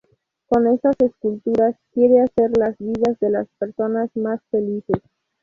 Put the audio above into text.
Con estas esculturas, quiere hacer las vidas de las personas más felices.